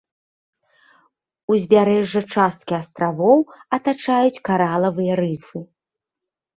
Узбярэжжа часткі астравоў атачаюць каралавыя рыфы.